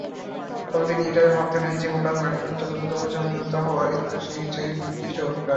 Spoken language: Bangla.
তবে তিনি এটাও ভাবতেন, এই যে ঘটনাক্রমে একদম যথাযথভাবে সংযুক্ত হয়ে যাওয়া, এর পেছনে নিশ্চয়ই নির্দিষ্ট অভিপ্রায় আছে।